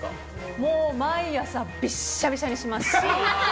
もう毎朝びっしゃびしゃにします。